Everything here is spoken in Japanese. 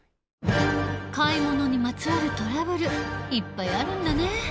買い物にまつわるトラブルいっぱいあるんだね。